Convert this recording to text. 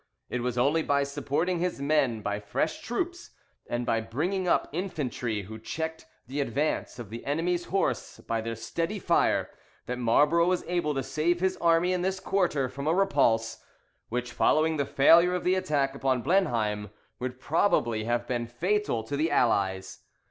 It was only by supporting his men by fresh troops, and by bringing up infantry, who checked the advance of the enemy's horse by their steady fire, that Marlborough was able to save his army in this quarter from a repulse, which, following the failure of the attack upon Blenheim, would probably have been fatal to the Allies.